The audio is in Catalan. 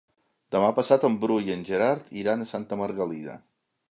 Demà passat en Bru i en Gerard iran a Santa Margalida.